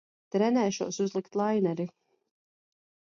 Trenēšos uzlikt laineri.